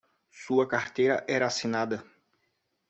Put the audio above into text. Sua carteira era assinada